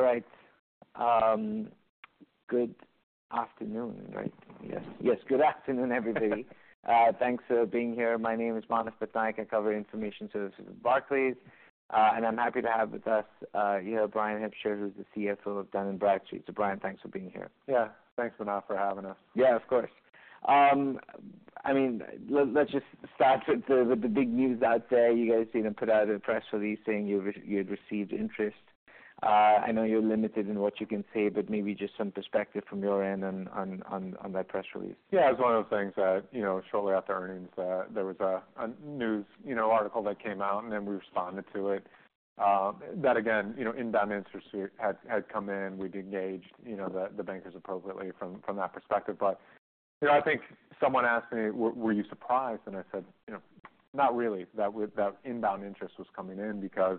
All right. Good afternoon, right? Yes, yes, good afternoon, everybody. Thanks for being here. My name is Manav Patnaik. I cover Information Services at Barclays. And I'm happy to have with us, you know, Bryan Hipsher, who's the CFO of Dun & Bradstreet. So Bryan, thanks for being here. Yeah. Thanks, Manav, for having us. Yeah, of course. I mean, let's just start with the big news out there. You guys, you know, put out a press release saying you've re-- you had received interest. I know you're limited in what you can say, but maybe just some perspective from your end on that press release. Yeah, it's one of those things that, you know, shortly after earnings, there was a news, you know, article that came out, and then we responded to it. That again, you know, inbound interest had come in. We'd engaged, you know, the bankers appropriately from that perspective. But, you know, I think someone asked me: Were you surprised? And I said, "You know, not really," that inbound interest was coming in because,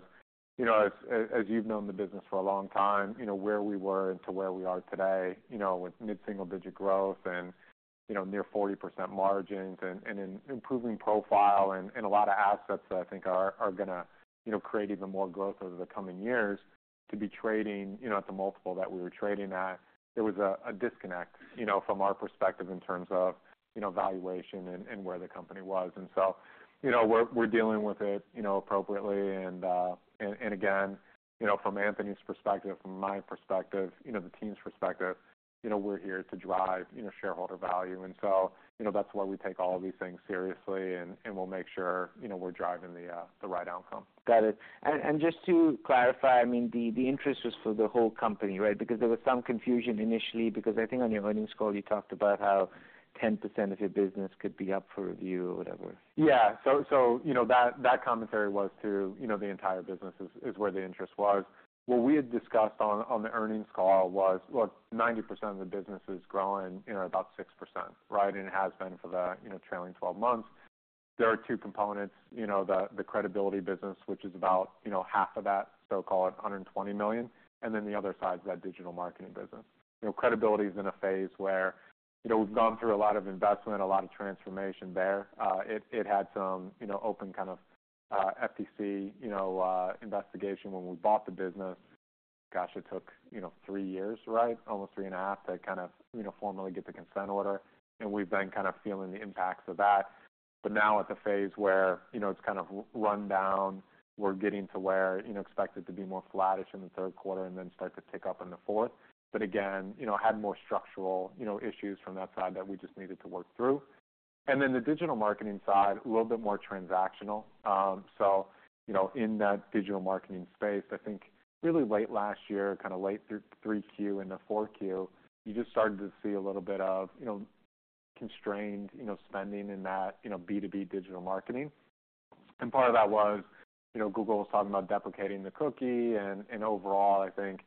you know, as you've known the business for a long time, you know, where we were to where we are today, you know, with mid-single-digit growth and, you know, near 40% margins and an improving profile and a lot of assets that I think are gonna create even more growth over the coming years. To be trading, you know, at the multiple that we were trading at, there was a disconnect, you know, from our perspective in terms of, you know, valuation and where the company was. And so, you know, we're dealing with it, you know, appropriately. And again, you know, from Anthony's perspective, from my perspective, you know, the team's perspective, you know, we're here to drive, you know, shareholder value. And so, you know, that's why we take all of these things seriously, and we'll make sure, you know, we're driving the right outcome. Got it. And just to clarify, I mean, the interest was for the whole company, right? Because there was some confusion initially, because I think on your earnings call, you talked about how 10% of your business could be up for review or whatever. Yeah. So, you know, that commentary was to, you know, the entire business is where the interest was. What we had discussed on the earnings call was, look, 90% of the business is growing, you know, about 6%, right? And it has been for the, you know, trailing 12 months. There are two components, you know, the credibility business, which is about, you know, half of that, so-called $120 million, and then the other side is that digital marketing business. You know, credibility is in a phase where, you know, we've gone through a lot of investment, a lot of transformation there. It had some, you know, open, kind of, FTC, you know, investigation when we bought the business. Gosh, it took, you know, three years, right? Almost three and a half to kind of, you know, formally get the consent order, and we've been kind of feeling the impacts of that. But now at the phase where, you know, it's kind of winding down, we're getting to where, you know, expect it to be more flattish in the third quarter and then start to tick up in the fourth. But again, you know, had more structural, you know, issues from that side that we just needed to work through. And then the digital marketing side, a little bit more transactional. So, you know, in that digital marketing space, I think really late last year, kind of late through 3Q into 4Q, you just started to see a little bit of, you know, constrained, you know, spending in that, you know, B2B digital marketing. Part of that was, you know, Google was talking about deprecating the cookie and overall, I think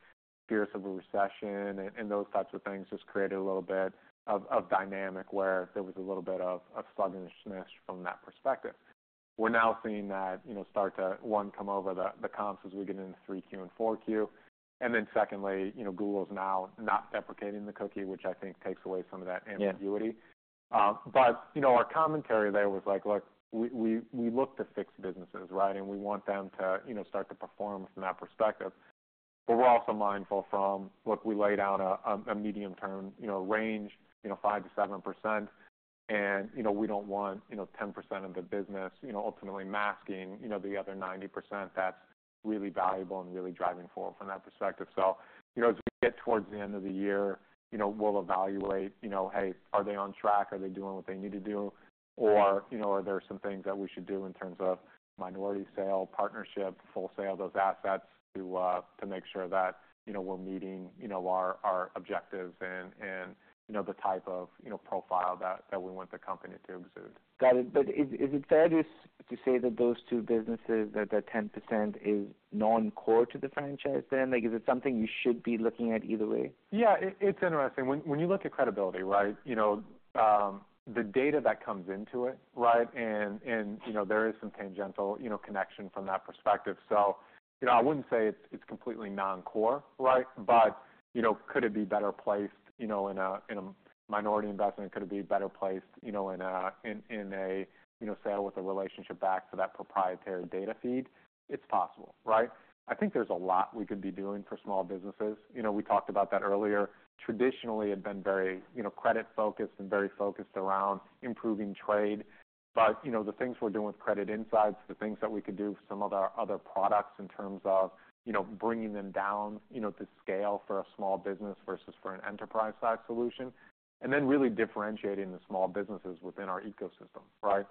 fears of a recession and those types of things just created a little bit of dynamic, where there was a little bit of sluggishness from that perspective. We're now seeing that, you know, start to one come over the comps as we get into 3Q and 4Q. Then secondly, you know, Google is now not deprecating the cookie, which I think takes away some of that ambiguity. Yeah. But, you know, our commentary there was like, look, we looked at fixed businesses, right? And we want them to, you know, start to perform from that perspective. But we're also mindful from, look, we laid out a medium-term, you know, range, you know, 5%-7%. And, you know, we don't want, you know, 10% of the business, you know, ultimately masking, you know, the other 90% that's really valuable and really driving forward from that perspective. So, you know, as we get towards the end of the year, you know, we'll evaluate, you know, hey, are they on track? Are they doing what they need to do? Or, you know, are there some things that we should do in terms of minority sale, partnership, full sale, those assets, to make sure that, you know, we're meeting, you know, our objectives and, you know, the type of, you know, profile that we want the company to exude? Got it. But is it fair to say that those two businesses, that the 10% is non-core to the franchise then? Like, is it something you should be looking at either way? Yeah, it's interesting. When you look at credibility, right, you know, the data that comes into it, right? And you know, there is some tangential, you know, connection from that perspective. So, you know, I wouldn't say it's completely non-core, right? But, you know, could it be better placed, you know, in a minority investment? Could it be better placed, you know, in a sale with a relationship back to that proprietary data feed? It's possible, right? I think there's a lot we could be doing for small businesses. You know, we talked about that earlier. Traditionally, had been very, you know, credit-focused and very focused around improving trade. But, you know, the things we're doing with credit insights, the things that we could do with some of our other products in terms of, you know, bringing them down, you know, to scale for a small business versus for an enterprise-size solution, and then really differentiating the small businesses within our ecosystem, right?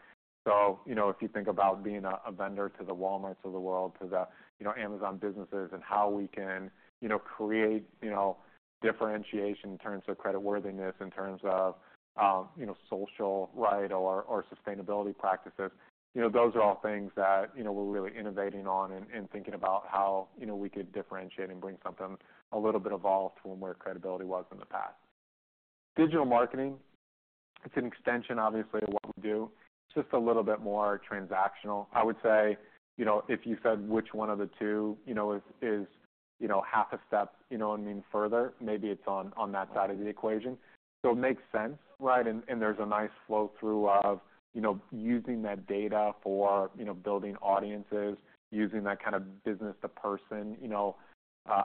So, you know, if you think about being a vendor to the Walmarts of the world, to the, you know, Amazon businesses, and how we can, you know, create, you know, differentiation in terms of creditworthiness, in terms of, you know, social, right, or sustainability practices. You know, those are all things that, you know, we're really innovating on and thinking about how, you know, we could differentiate and bring something a little bit evolved from where credibility was in the past. Digital marketing, it's an extension, obviously, of what we do. It's just a little bit more transactional. I would say, you know, if you said which one of the two, you know, half a step, you know what I mean, further, maybe it's on that side of the equation. So it makes sense, right? And there's a nice flow through of, you know, using that data for, you know, building audiences, using that kind of business to person, you know,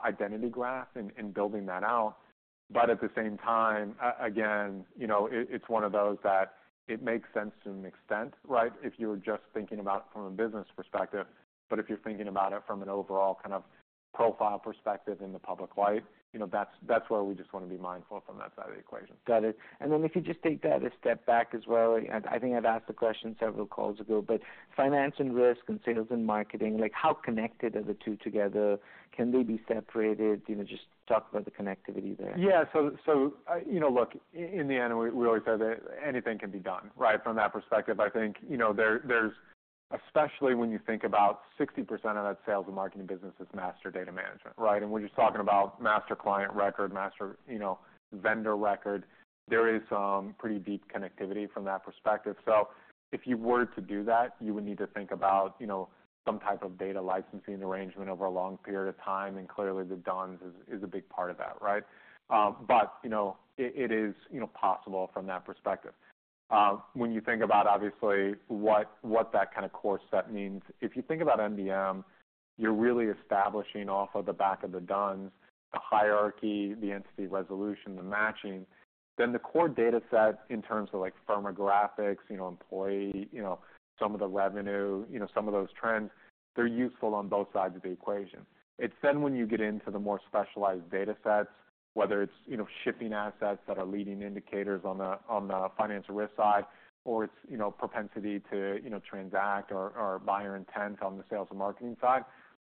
identity graph and building that out. But at the same time, again, you know, it, it's one of those that it makes sense to an extent, right? If you're just thinking about from a business perspective, but if you're thinking about it from an overall kind of profile perspective in the public light, you know, that's where we just wanna be mindful from that side of the equation. Got it. And then if you just take that a step back as well, and I think I've asked the question several calls ago, but finance and risk, and sales and marketing, like, how connected are the two together? Can they be separated? You know, just talk about the connectivity there. Yeah. So, in the end, we always say that anything can be done, right? From that perspective, I think, you know, there's especially when you think about 60% of that sales and marketing business is master data management, right? And we're just talking about master client record, master, you know, vendor record. There is pretty deep connectivity from that perspective. So if you were to do that, you would need to think about, you know, some type of data licensing arrangement over a long period of time, and clearly, the D‑U‑N‑S is a big part of that, right? But, you know, it is, you know, possible from that perspective. When you think about, obviously, what that kind of core set means, if you think about MDM, you're really establishing off of the back of the D‑U‑N‑S, the hierarchy, the entity resolution, the matching, then the core data set in terms of, like, firmographics, you know, employee, you know, some of the revenue, you know, some of those trends, they're useful on both sides of the equation. It's then when you get into the more specialized data sets, whether it's, you know, shipping assets that are leading indicators on the financial risk side, or it's, you know, propensity to, you know, transact or buyer intent on the sales and marketing side,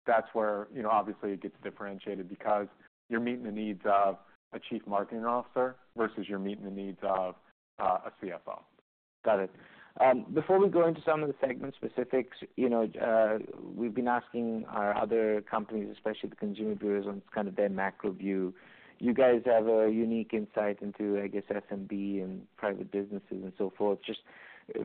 that's where, you know, obviously it gets differentiated because you're meeting the needs of a chief marketing officer versus you're meeting the needs of a CFO. Got it. Before we go into some of the segment specifics, you know, we've been asking our other companies, especially the consumer bureaus, on kind of their macro view. You guys have a unique insight into, I guess, SMB and private businesses and so forth. Just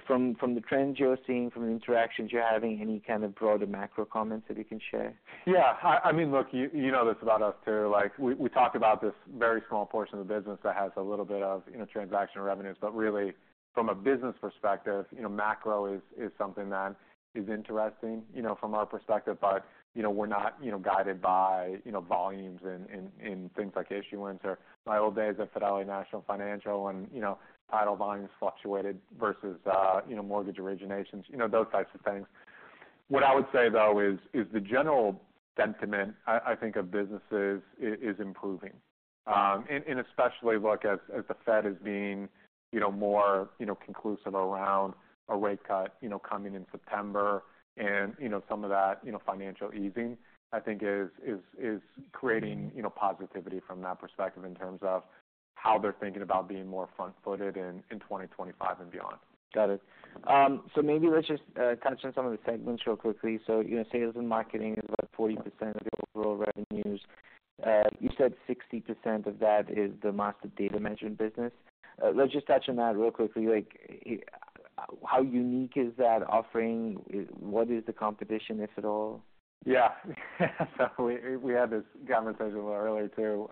from the trends you're seeing, from the interactions you're having, any kind of broader macro comments that you can share? Yeah. I mean, look, you know this about us too, like, we talk about this very small portion of the business that has a little bit of, you know, transactional revenues. But really, from a business perspective, you know, macro is something that is interesting, you know, from our perspective, but, you know, we're not, you know, guided by, you know, volumes in, in things like issuance or my old days at Fidelity National Financial and, you know, title volumes fluctuated versus, you know, mortgage originations, you know, those types of things. What I would say, though, is the general sentiment, I think of businesses is improving. Especially, look, as the Fed is being, you know, more conclusive around a rate cut, you know, coming in September and, you know, some of that, you know, financial easing, I think is creating, you know, positivity from that perspective in terms of how they're thinking about being more front-footed in 2025 and beyond. Got it. So maybe let's just touch on some of the segments real quickly. So, you know, sales and marketing is about 40% of your overall revenues. You said 60% of that is the Master Data Management business. Let's just touch on that real quickly. Like, how unique is that offering? What is the competition, if at all? Yeah. So we had this conversation a little earlier, too,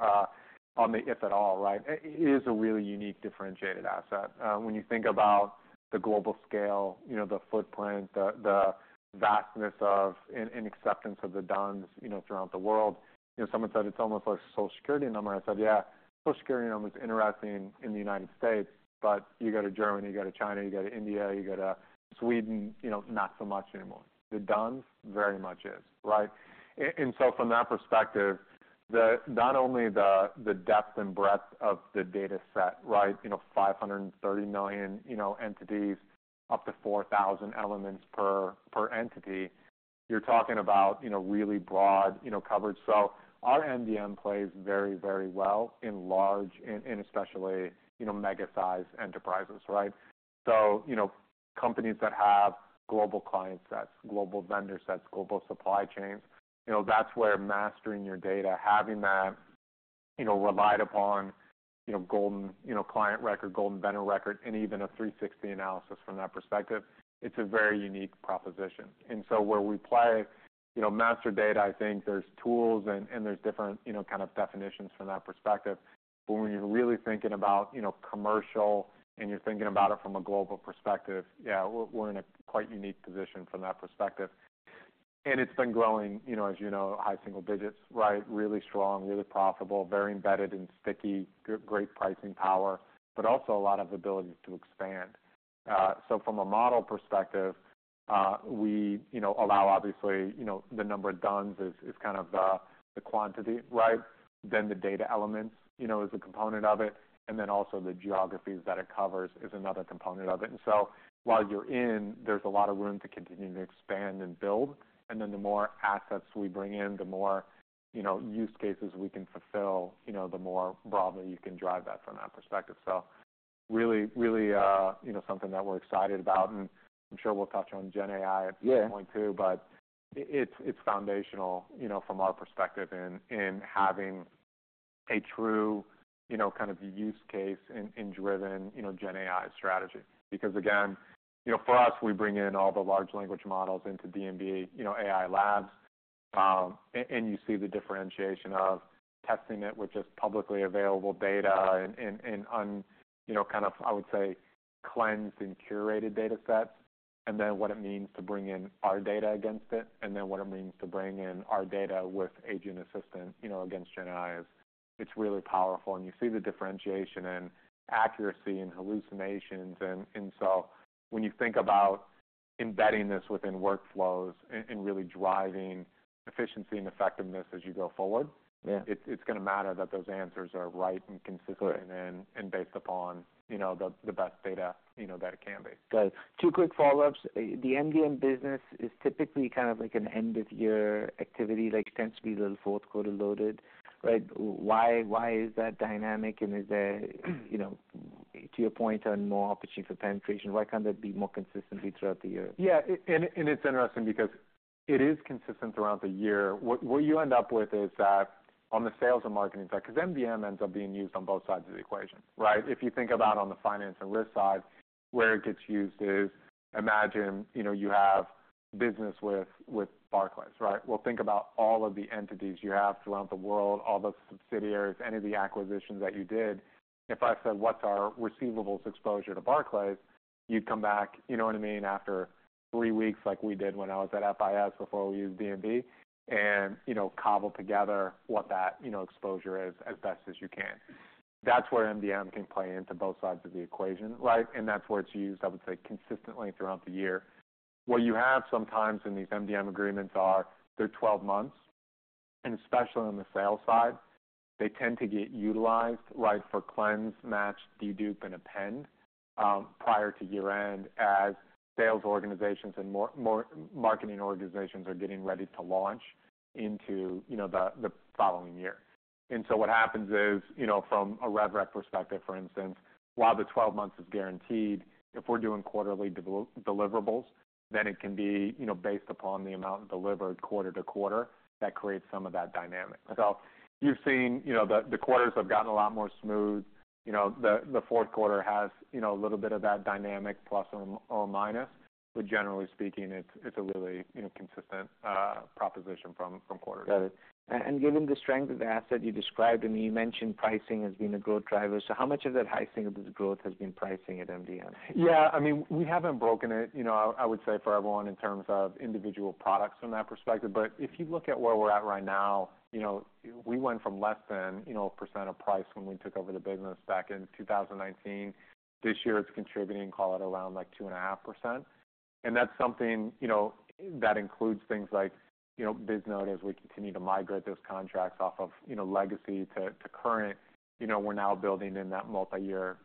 on the if at all, right? It is a really unique, differentiated asset. When you think about the global scale, you know, the footprint, the vastness of and acceptance of the D‑U‑N‑S, you know, throughout the world, you know, someone said it's almost like a Social Security number. I said: Yeah, Social Security number is interesting in the United States, but you go to Germany, you go to China, you go to India, you go to Sweden, you know, not so much anymore. The D‑U‑N‑S very much is, right? And so from that perspective, not only the depth and breadth of the data set, right, you know, 530 million entities, up to 4,000 elements per entity, you're talking about really broad coverage. So our MDM plays very well in large and especially mega-sized enterprises, right? So companies that have global client sets, global vendor sets, global supply chains, you know, that's where mastering your data, having that relied upon golden client record, golden vendor record, and even a 360 analysis from that perspective, it's a very unique proposition. And so where we play master data, I think there's tools and there's different kind of definitions from that perspective. But when you're really thinking about, you know, commercial and you're thinking about it from a global perspective, yeah, we're in a quite unique position from that perspective. And it's been growing, you know, as you know, high single digits, right? Really strong, really profitable, very embedded and sticky, great pricing power, but also a lot of ability to expand. So from a model perspective, we, you know, allow obviously, you know, the number of D‑U‑N‑S is kind of the quantity, right? Then the data elements, you know, is a component of it, and then also the geographies that it covers is another component of it. And so while you're in, there's a lot of room to continue to expand and build, and then the more assets we bring in, the more, you know, use cases we can fulfill, you know, the more broadly you can drive that from that perspective. So really, really, you know, something that we're excited about, and I'm sure we'll touch on GenAI at some point, too. Yeah. But it's foundational, you know, from our perspective in having a true, you know, kind of use case-driven, you know, GenAI strategy. Because, again, you know, for us, we bring in all the large language models into D&B AI Labs, and you see the differentiation of testing it, which is publicly available data and on, you know, kind of, I would say, cleansed and curated data sets, and then what it means to bring in our data against it, and then what it means to bring in our data with agent assistant, you know, against GenAI. It's really powerful, and you see the differentiation and accuracy and hallucinations. And so when you think about embedding this within workflows and really driving efficiency and effectiveness as you go forward. Yeah. It's gonna matter that those answers are right and consistent. Right. and based upon, you know, the best data, you know, that it can be. Got it. Two quick follow-ups. The MDM business is typically kind of like an end-of-year activity, like tends to be a little fourth quarter loaded, right? Why, why is that dynamic? And is there, you know, to your point on more opportunity for penetration, why can't that be more consistently throughout the year? Yeah, and it's interesting because it is consistent throughout the year. What you end up with is that on the sales and marketing side, 'cause MDM ends up being used on both sides of the equation, right? If you think about on the finance and risk side, where it gets used is, imagine, you know, you have business with Barclays, right? Well, think about all of the entities you have throughout the world, all the subsidiaries, any of the acquisitions that you did. If I said, "What's our receivables exposure to Barclays?" You'd come back, you know what I mean, after three weeks, like we did when I was at FIS, before we used D&B, and, you know, cobble together what that, you know, exposure is as best as you can. That's where MDM can play into both sides of the equation, right? That's where it's used, I would say, consistently throughout the year. What you have sometimes in these MDM agreements are, they're 12 months, and especially on the sales side, they tend to get utilized, right, for cleanse, match, dedup, and append prior to year-end, as sales organizations and more marketing organizations are getting ready to launch into, you know, the following year. What happens is, you know, from a rev rep perspective, for instance, while the 12 months is guaranteed, if we're doing quarterly deliverables, then it can be, you know, based upon the amount delivered quarter to quarter. That creates some of that dynamic. You've seen, you know, the quarters have gotten a lot more smooth. You know, the fourth quarter has, you know, a little bit of that dynamic, plus or minus, but generally speaking, it's a really, you know, consistent proposition from quarter to quarter. Got it. And given the strength of the asset you described, I mean, you mentioned pricing has been a growth driver. So how much of that pricing of this growth has been pricing at MDM? Yeah, I mean, we haven't broken it, you know. I would say for everyone, in terms of individual products from that perspective, but if you look at where we're at right now, you know, we went from less than 1% of price when we took over the business back in 2019. This year it's contributing, call it around, like, 2.5%. And that's something, you know, that includes things like Bisnode, as we continue to migrate those contracts off of legacy to current. You know, we're now building in that multiyear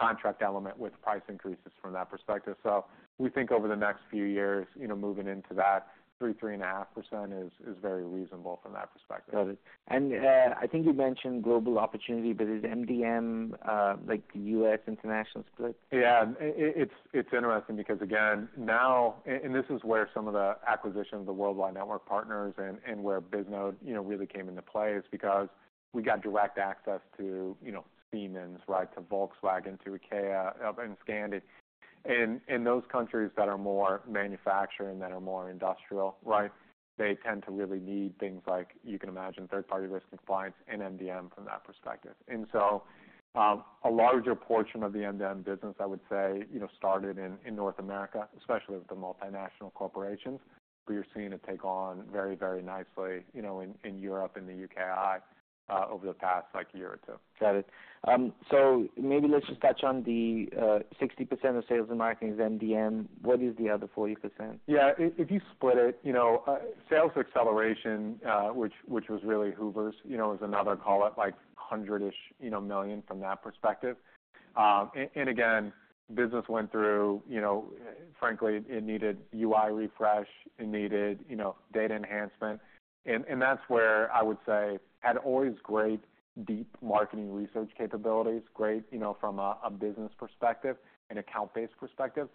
contract element with price increases from that perspective. So we think over the next few years, you know, moving into that 3%-3.5% is very reasonable from that perspective. Got it. And, I think you mentioned global opportunity, but is MDM like U.S.-international split? Yeah, it, it's interesting because again, now, and this is where some of the acquisition of the worldwide network partners and where Bisnode, you know, really came into play, is because we got direct access to, you know, Siemens, right, to Volkswagen, to IKEA, and Scandic. In those countries that are more manufacturing, that are more industrial, right? They tend to really need things like, you can imagine, third-party risk and compliance and MDM from that perspective. And so, a larger portion of the MDM business, I would say, you know, started in North America, especially with the multinational corporations, but you're seeing it take on very, very nicely, you know, in Europe and the U.K. over the past, like, year or two. Got it. So maybe let's just touch on the 60% of sales and marketing is MDM. What is the other 40%? Yeah, if you split it, you know, sales acceleration, which was really Hoovers, you know, is another, call it like $100 million-ish from that perspective. And again, business went through, you know. Frankly, it needed UI refresh, it needed, you know, data enhancement. And that's where I would say it had always great, deep marketing research capabilities, great, you know, from a business perspective, an account-based perspective.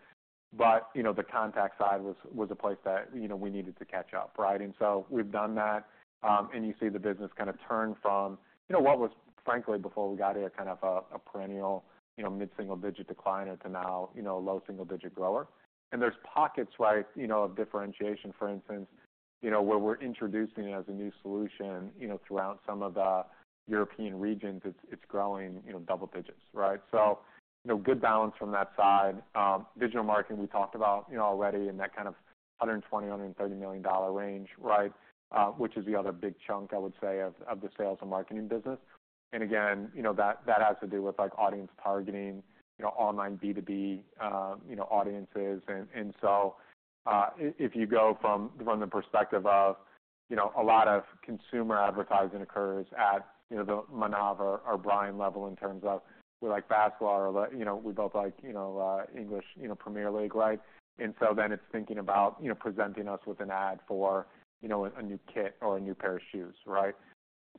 But, you know, the contact side was a place that, you know, we needed to catch up, right? And so we've done that, and you see the business kind of turn from, you know, what was frankly before we got here, kind of a perennial, you know, mid-single-digit decliner to now, you know, a low single digit grower. There's pockets, right, you know, of differentiation, for instance, you know, where we're introducing as a new solution, you know, throughout some of the European regions. It's growing, you know, double digits, right? So, you know, good balance from that side. Digital marketing, we talked about, you know, already in that kind of $120 million-$130 million range, right? Which is the other big chunk, I would say, of the sales and marketing business. And again, you know, that has to do with, like, audience targeting, you know, online B2B, you know, audiences. If you go from the perspective of, you know, a lot of consumer advertising occurs at, you know, the Manav or Bryan level in terms of we like basketball or, you know, we both like, you know, English Premier League, right? And so then it's thinking about, you know, presenting us with an ad for, you know, a new kit or a new pair of shoes, right?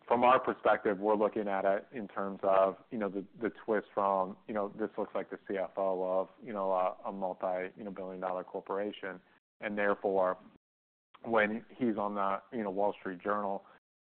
From our perspective, we're looking at it in terms of, you know, the twist from, you know, this looks like the CFO of, you know, a multi-billion-dollar corporation. And therefore, when he's on the Wall Street Journal,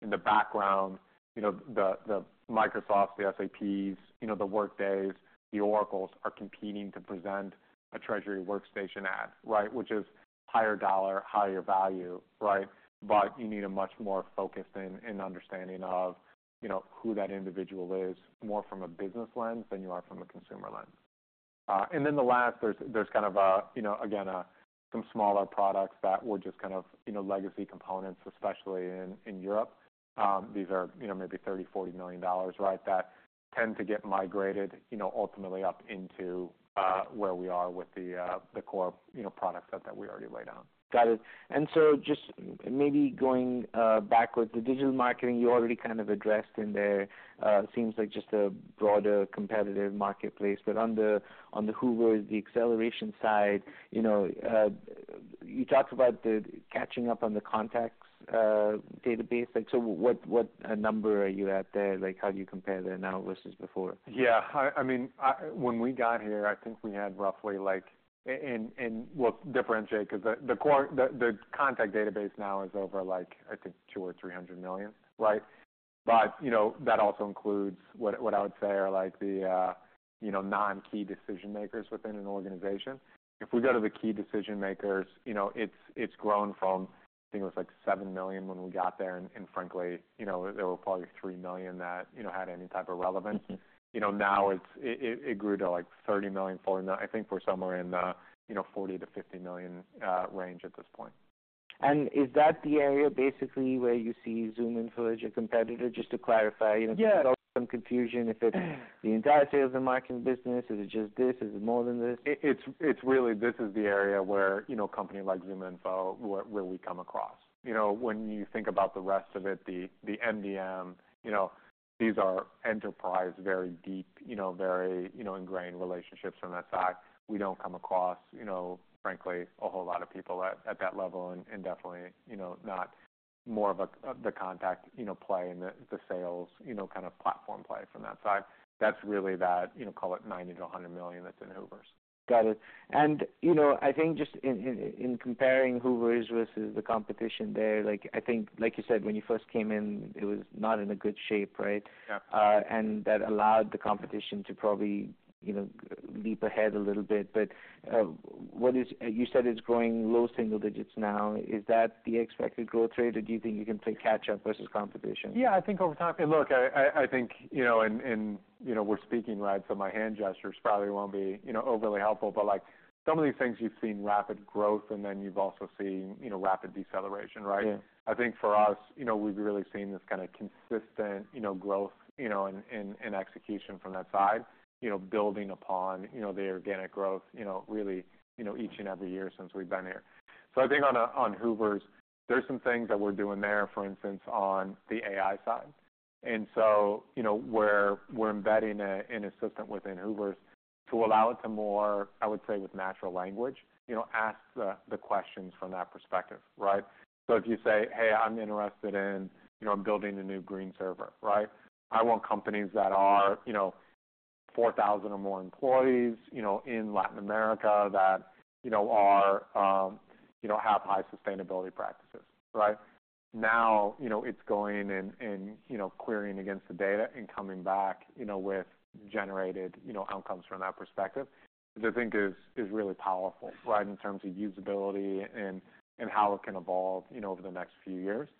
in the background, you know, the Microsoft, the SAPs, the Workdays, the Oracles are competing to present a treasury workstation ad, right? Which is higher dollar, higher value, right? But you need a much more focused and understanding of, you know, who that individual is, more from a business lens than you are from a consumer lens. And then the last, there's kind of a, you know, again, some smaller products that were just kind of, you know, legacy components, especially in Europe. These are, you know, maybe $30 million-$40 million, right? That tend to get migrated, you know, ultimately up into where we are with the core, you know, product set that we already laid out. Got it. And so just maybe going back with the digital marketing, you already kind of addressed in there. Seems like just a broader competitive marketplace. But on the Hoovers, the acceleration side, you know, you talked about the catching up on the contacts database. Like, so what, what number are you at there? Like, how do you compare there now versus before? Yeah, I mean, when we got here, I think we had roughly like. We'll differentiate because the core contact database now is over like, I think $200 million or $300 million, right? But, you know, that also includes what I would say are like the, you know, non-key decision makers within an organization. If we go to the key decision makers, you know, it's grown from, I think it was like $7 million when we got there, and frankly, you know, there were probably $3 million that, you know, had any type of relevance. Mm-hmm. You know, now it grew to, like, $30 million, $40 million. I think we're somewhere in the, you know, $40 million-$50 million range at this point. Is that the area basically where you see ZoomInfo as your competitor? Just to clarify, you know- Yeah. Some confusion if it's the entirety of the marketing business? Is it just this? Is it more than this? It's really. This is the area where, you know, a company like ZoomInfo, where we come across. You know, when you think about the rest of it, the MDM, you know, these are enterprise, very deep, very ingrained relationships from that side. We don't come across, you know, frankly, a whole lot of people at that level, and definitely, you know, not more of a contact play and the sales kind of platform play from that side. That's really that, you know, call it $90 million-100 million that's in Hoovers. Got it. And, you know, I think just in comparing Hoovers versus the competition there, like, I think, like you said, when you first came in, it was not in a good shape, right? Yeah. And that allowed the competition to probably, you know, leap ahead a little bit. But what is... You said it's growing low single digits now. Is that the expected growth rate, or do you think you can play catch up versus competition? Yeah, I think over time. Look, I think, you know, and you know, we're speaking, right? So my hand gestures probably won't be, you know, overly helpful. But like, some of these things, you've seen rapid growth, and then you've also seen, you know, rapid deceleration, right? Yeah. I think for us, you know, we've really seen this kind of consistent, you know, growth, you know, in execution from that side, you know, building upon, you know, the organic growth, you know, really, you know, each and every year since we've been here, so I think on Hoovers, there's some things that we're doing there, for instance, on the AI side, and so, you know, we're embedding an assistant within Hoovers to allow it to more, I would say, with natural language, you know, ask the questions from that perspective, right? So if you say, "Hey, I'm interested in, you know, building a new green server," right? "I want companies that are, you know, four thousand or more employees, you know, in Latin America, that, you know, are, you know, have high sustainability practices," right? Now, you know, it's going and, and, you know, querying against the data and coming back, you know, with generated, you know, outcomes from that perspective. Which I think is, is really powerful, right? In terms of usability and, and how it can evolve, you know, over the next few years.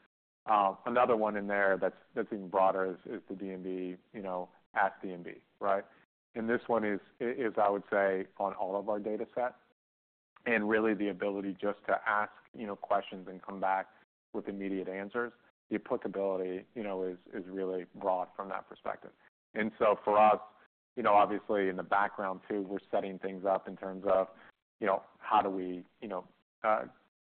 Another one in there that's, that's even broader is, is the D&B, you know, Ask D&B, right, and this one is, is, I would say, on all of our data sets, and really the ability just to ask, you know, questions and come back with immediate answers. The applicability, you know, is, is really broad from that perspective, and so for us, you know, obviously in the background too, we're setting things up in terms of, you know, how do we, you know,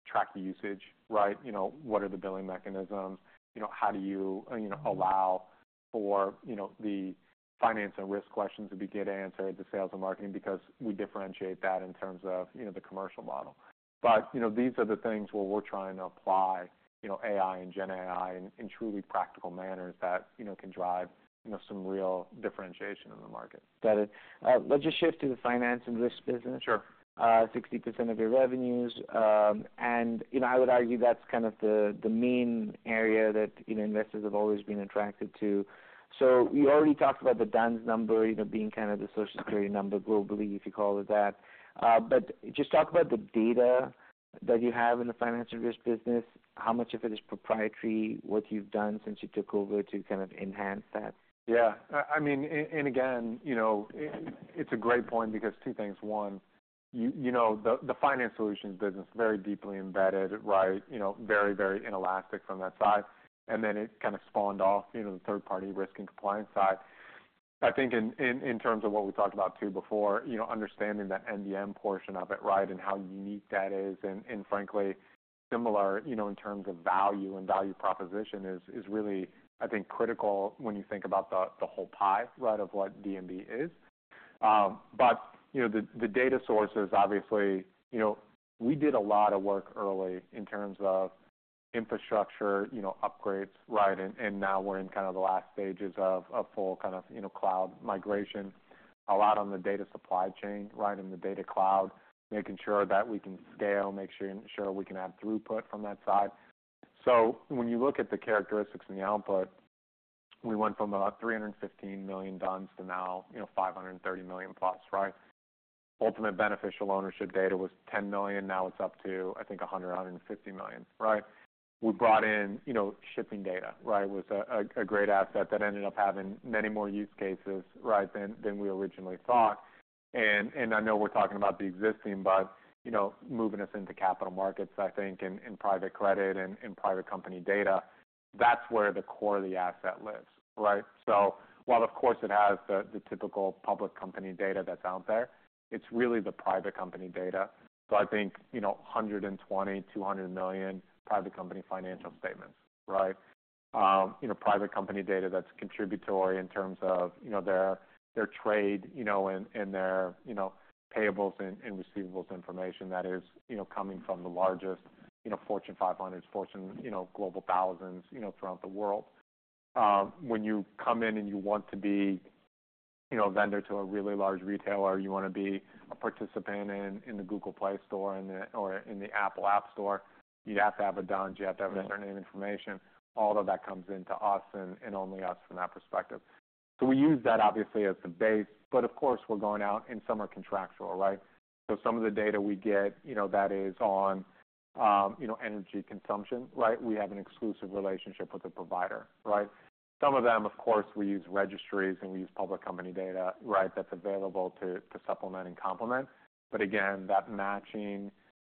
track the usage, right? You know, what are the billing mechanisms? You know, how do you, you know, allow for, you know, the finance and risk questions to get answered, the sales and marketing, because we differentiate that in terms of, you know, the commercial model. But, you know, these are the things where we're trying to apply, you know, AI and GenAI in truly practical manners that, you know, can drive, you know, some real differentiation in the market. Got it. Let's just shift to the finance and risk business. Sure. 60% of your revenues, and, you know, I would argue that's kind of the main area that, you know, investors have always been attracted to. So you already talked about the D-U-N-S number, you know, being kind of the Social Security number globally, if you call it that. But just talk about the data that you have in the finance and risk business, how much of it is proprietary, what you've done since you took over to kind of enhance that? Yeah. I mean, and again, you know, it's a great point because two things: One, you know, the finance solutions business, very deeply embedded, right? You know, very inelastic from that side. And then it kind of spawned off, you know, the third-party risk and compliance side. I think in terms of what we talked about too, before, you know, understanding that MDM portion of it, right? And how unique that is, and frankly, similar, you know, in terms of value and value proposition is really, I think, critical when you think about the whole pie, right, of what D&B is. But, you know, the data sources, obviously, you know, we did a lot of work early in terms of infrastructure, you know, upgrades, right? Now we're in kind of the last stages of a full kind of, you know, cloud migration, a lot on the data supply chain, right? In the data cloud, making sure that we can scale, make sure we can have throughput from that side. So when you look at the characteristics and the output, we went from about 315 million D-U-N-S to now, you know, 530 million plus, right? Ultimate beneficial ownership data was 10 million, now it's up to, I think, 150 million, right? We brought in, you know, shipping data, right? It was a great asset that ended up having many more use cases, right, than we originally thought. I know we're talking about the existing, but you know, moving us into capital markets, I think in private credit and in private company data, that's where the core of the asset lives, right? So while of course it has the typical public company data that's out there, it's really the private company data. So I think you know 120 million-200 million private company financial statements, right? You know private company data that's contributory in terms of you know their trade you know and their payables and receivables information that is you know coming from the largest you know Fortune 500, Fortune Global thousands you know throughout the world. When you come in and you want to be, you know, a vendor to a really large retailer, you wanna be a participant in the Google Play Store or in the Apple App Store, you have to have a D-U-N-S, you have to have certain information. All of that comes into us and only us from that perspective. So we use that obviously as the base, but of course, we're going out, and some are contractual, right? So some of the data we get, you know, that is on energy consumption, right? We have an exclusive relationship with the provider, right? Some of them, of course, we use registries, and we use public company data, right, that's available to supplement and complement. But again, that matching,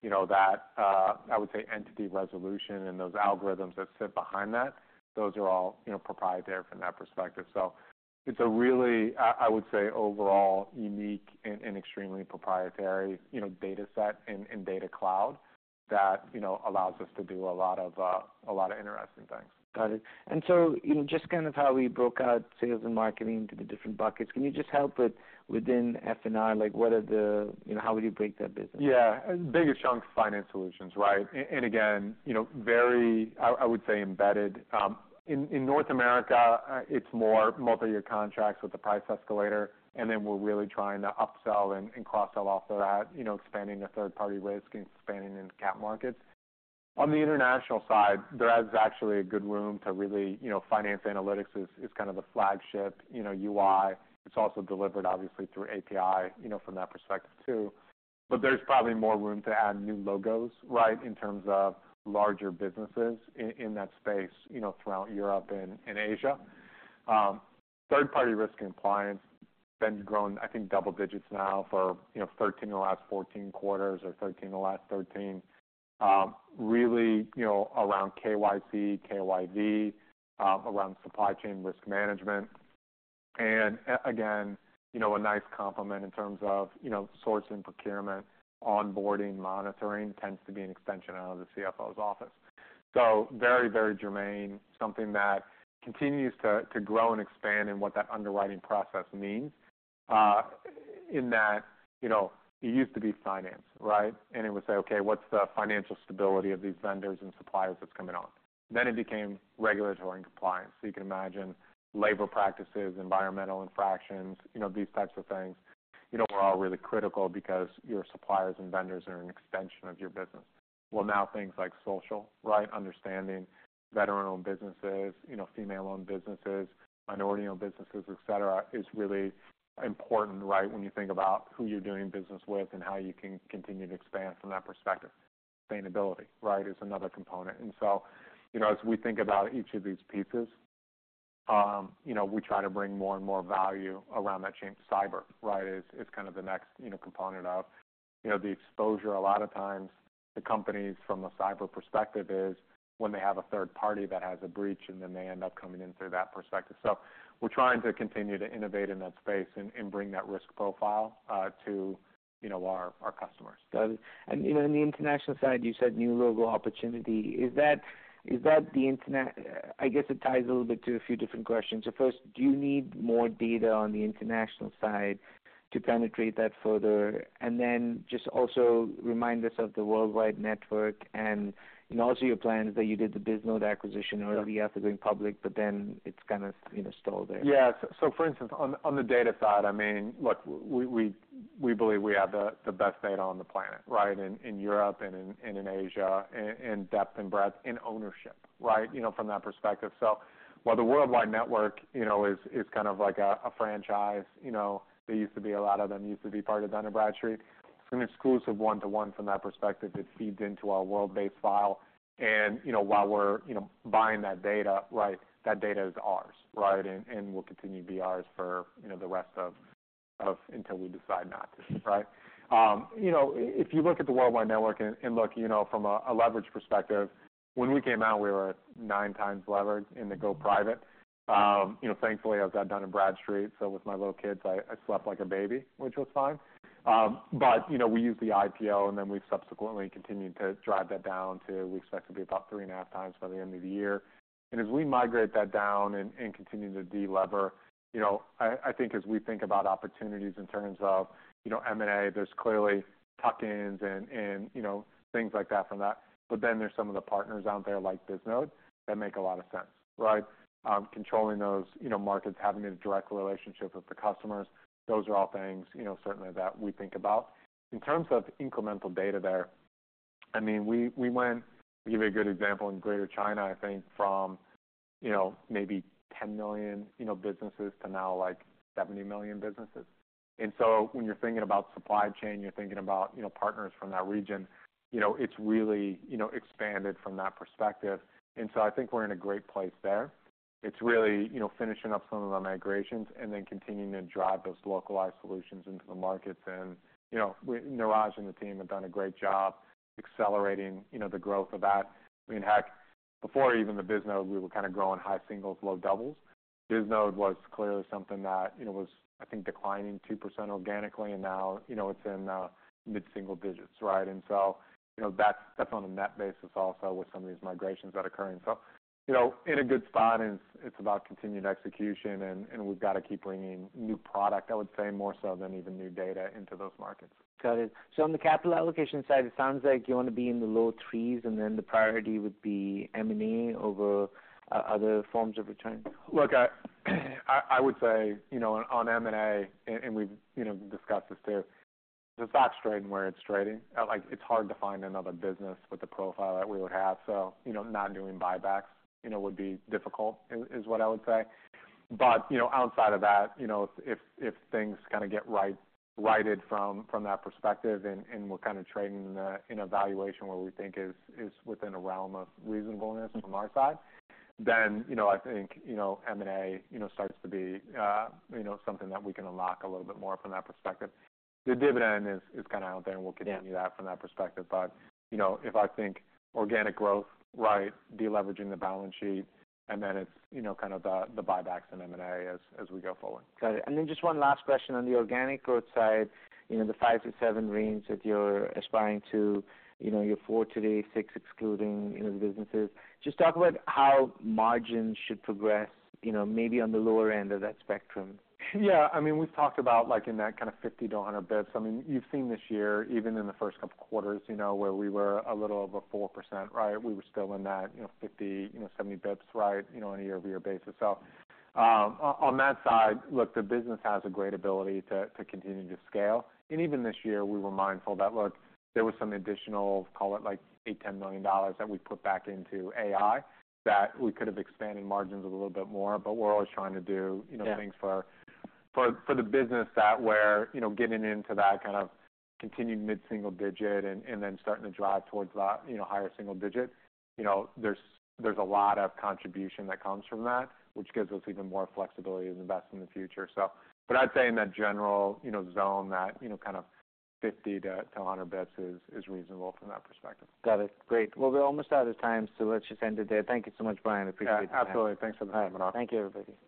you know, that I would say entity resolution and those algorithms that sit behind that, those are all, you know, proprietary from that perspective. So it's a really I would say overall unique and extremely proprietary, you know, data set and data cloud that, you know, allows us to do a lot of interesting things. Got it. And so, you know, just kind of how we broke out sales and marketing into the different buckets, can you just help with within FNR, like, what are the... You know, how would you break that business? Yeah. The biggest chunk is finance solutions, right? And again, you know, very, I would say, embedded. In North America, it's more multiyear contracts with the price escalator, and then we're really trying to upsell and cross-sell off of that, you know, expanding the third-party risk and expanding into capital markets. O the international side, there is actually a good room to really—you know, finance analytics is kind of the flagship, you know, UI. It's also delivered obviously through API, you know, from that perspective, too. But there's probably more room to add new logos, right, in terms of larger businesses in that space, you know, throughout Europe and Asia. Third-party risk and compliance, been growing, I think, double digits now for, you know, 13 of the last 14 quarters or 13 of the last 13. Really, you know, around KYC, KYB, around supply chain risk management, and again, you know, a nice complement in terms of, you know, source and procurement, onboarding, monitoring, tends to be an extension out of the CFO's office, so very, very germane, something that continues to grow and expand and what that underwriting process means, in that, you know, it used to be finance, right, and it would say, "Okay, what's the financial stability of these vendors and suppliers that's coming on," then it became regulatory and compliance, so you can imagine labor practices, environmental infractions, you know, these types of things, you know, were all really critical because your suppliers and vendors are an extension of your business, well, now things like social, right, understanding veteran-owned businesses, you know, female-owned businesses, minority-owned businesses, et cetera, is really important, right? When you think about who you're doing business with and how you can continue to expand from that perspective. Sustainability, right, is another component. And so, you know, as we think about each of these pieces, you know, we try to bring more and more value around that chain. Cyber, right, is kind of the next, you know, component of, you know, the exposure. A lot of times, the companies from a cyber perspective is when they have a third party that has a breach, and then they end up coming in through that perspective. So we're trying to continue to innovate in that space and bring that risk profile to, you know, our customers. Got it. And, you know, in the international side, you said new logo opportunity. Is that the international? I guess it ties a little bit to a few different questions. So first, do you need more data on the international side to penetrate that further? And then just also remind us of the worldwide network and also your plans that you did the Bisnode acquisition early after going public, but then it's kind of, you know, stalled there. Yes. So for instance, on the data side, I mean, look, we believe we have the best data on the planet, right? In Europe and in Asia, in depth and breadth, in ownership, right, you know, from that perspective. So while the worldwide network, you know, is kind of like a franchise, you know, there used to be a lot of them, used to be part of Dun & Bradstreet. It's an exclusive one-to-one from that perspective. It feeds into our WorldBase file. And, you know, while we're buying that data, right, that data is ours, right? And will continue to be ours for the rest of... Until we decide not to, right? You know, if you look at the worldwide network and look, you know, from a leverage perspective, when we came out, we were at nine times levered in the go private. You know, thankfully, I've got Dun & Bradstreet, so with my little kids, I slept like a baby, which was fine. But, you know, we used the IPO, and then we've subsequently continued to drive that down to, we expect to be about three and a half times by the end of the year. And as we migrate that down and continue to delever, you know, I think as we think about opportunities in terms of, you know, M&A, there's clearly tuck-ins and, you know, things like that from that. But then there's some of the partners out there like Bisnode that make a lot of sense, right? Controlling those, you know, markets, having a direct relationship with the customers, those are all things, you know, certainly that we think about. In terms of incremental data there, I mean, we went to give you a good example, in Greater China, I think from, you know, maybe 10 million, you know, businesses to now, like, 70 million businesses. And so when you're thinking about supply chain, you're thinking about, you know, partners from that region, you know, it's really, you know, expanded from that perspective. And so I think we're in a great place there. It's really, you know, finishing up some of the migrations and then continuing to drive those localized solutions into the markets. And, you know, we, Neeraj and the team have done a great job accelerating, you know, the growth of that. I mean, heck, before even the Bisnode, we were kind of growing high singles, low doubles. Bisnode was clearly something that, you know, was, I think, declining 2% organically, and now, you know, it's in mid-single digits, right, and so, you know, that's, that's on a net basis also with some of these migrations that are occurring, so, you know, in a good spot, and it's about continued execution, and, and we've got to keep bringing new product, I would say, more so than even new data into those markets. Got it. So on the capital allocation side, it sounds like you want to be in the low threes, and then the priority would be M&A over other forms of return? Look, I would say, you know, on M&A, and we've, you know, discussed this too, the stock's trading where it's trading. Like, it's hard to find another business with the profile that we would have. So, you know, not doing buybacks, you know, would be difficult, is what I would say. But, you know, outside of that, you know, if things kind of get righted from that perspective, and we're kind of trading in a valuation where we think is within a realm of reasonableness from our side, then, you know, I think, you know, M&A, you know, starts to be, you know, something that we can unlock a little bit more from that perspective. The dividend is kind of out there, and we'll continue that from that perspective. But, you know, if I think organic growth, right, deleveraging the balance sheet, and then it's, you know, kind of the buybacks and M&A as we go forward. Got it. And then just one last question on the organic growth side. You know, the five to seven range that you're aspiring to, you know, you're four today, six excluding, you know, the businesses. Just talk about how margins should progress, you know, maybe on the lower end of that spectrum. Yeah. I mean, we've talked about, like, in that kind of fifty to a hundred basis points. I mean, you've seen this year, even in the first couple of quarters, you know, where we were a little over 4%, right? We were still in that, you know, fifty, you know, seventy basis points, right, you know, on a year-over-year basis. So, on that side, look, the business has a great ability to continue to scale. And even this year, we were mindful that, look, there was some additional, call it like $8 million-10 million that we put back into AI, that we could have expanded margins a little bit more, but we're always trying to do, you know- Yeah ... things for the business that we're, you know, getting into that kind of continued mid-single digit and then starting to drive towards the, you know, higher single digits. You know, there's a lot of contribution that comes from that, which gives us even more flexibility to invest in the future, so. But I'd say in that general, you know, zone, that, you know, kind of fifty to a hundred basis points is reasonable from that perspective. Got it. Great. Well, we're almost out of time, so let's just end it there. Thank you so much, Bryan. Appreciate the time. Yeah, absolutely. Thanks for the time, Manav. Thank you, everybody.